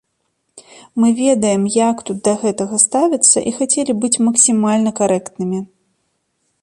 Мы ведаем, як тут да гэтага ставяцца, і хацелі быць максімальна карэктнымі.